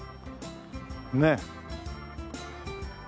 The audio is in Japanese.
ねえ。